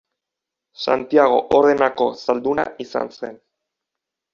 Santiago Ordenako zalduna izan zen.